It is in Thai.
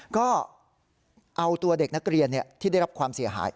ก็เอาตัวเด็กนักเรียนที่ได้รับความเสียหาย